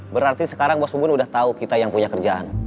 berarti sekarang mas ubun udah tahu kita yang punya kerjaan